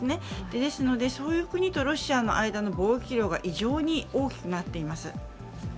ですので、そういう国とロシアの国との貿易量が異常に大きくなっています。